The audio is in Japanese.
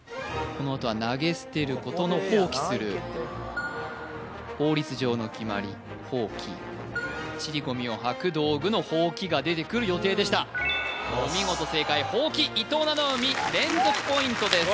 このあとは投げ捨てることの「放棄」する法律上のきまり「法規」ちり・ごみをはく道具の「箒」が出てくる予定でしたお見事正解ほうき伊藤七海連続ポイントです